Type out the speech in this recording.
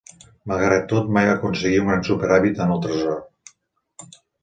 Malgrat tot mai va aconseguir un gran superàvit en el Tresor.